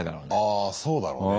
ああそうだろうね。